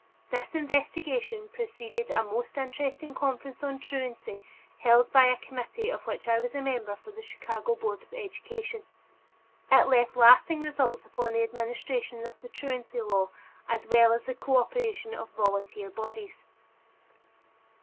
This investigation preceded a most interesting conference on truancy held under a committee of which I was a member from the Chicago Board of Education. It left lasting results upon the administration of the truancy law as well as the cooperation of volunteer bodies.